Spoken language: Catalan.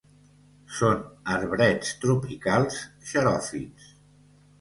Són arbrets tropicals xeròfits.